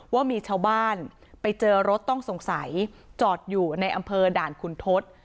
ว่ามีชาวบ้านไปเจอรถต้องสงสัยจอดอยู่ในอำเภอด่านขุนทศ